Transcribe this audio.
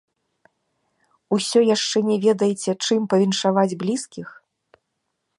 Усё яшчэ не ведаеце, чым павіншаваць блізкіх?